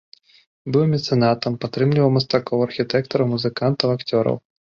Быў мецэнатам, падтрымліваў мастакоў, архітэктараў, музыкантаў, акцёраў.